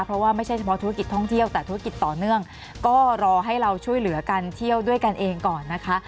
เพราะว่าไม่ใช่เฉพาะธุรกิจท่องเที่ยวแต่ธุรกิจต่อเนื่องก็รอให้เราช่วยเหลือกันเที่ยวด้วยกันเองก่อนนะคะ